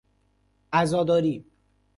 عزاداری